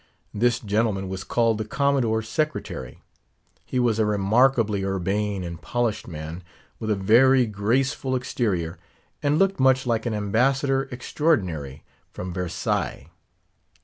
This gentleman was called the Commodore's secretary. He was a remarkably urbane and polished man; with a very graceful exterior, and looked much like an Ambassador Extraordinary from Versailles.